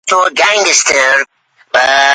Men xiyoldan keyin turdim.